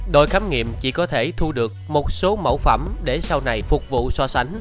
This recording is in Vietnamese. đội khám nghiệm chỉ có thể thu được một số mẫu phẩm để sau này phục vụ so sánh